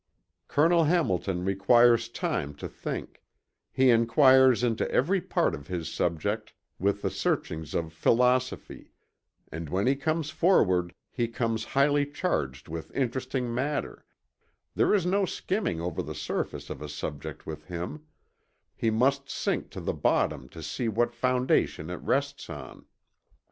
Col. Hamilton requires time to think, he enquires into every part of his subject with the searchings of phylosophy, and when he comes forward he comes highly charged with interesting matter, there is no skimming over the surface of a subject with him, he must sink to the bottom to see what foundation it rests on.